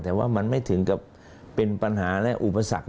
แต่ว่ามันไม่ถึงกับเป็นปัญหาและอุปสรรค